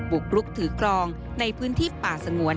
กรุกถือกรองในพื้นที่ป่าสงวน